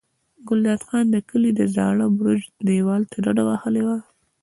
ګلداد خان د کلي د زاړه برج دېوال ته ډډه وهلې وه.